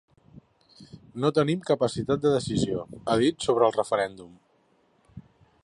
No tenim capacitat de decisió, ha dit sobre el referèndum.